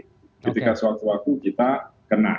ketika suatu waktu kita kena